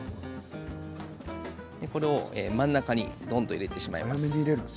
これを真ん中にドンと入れてしまいます。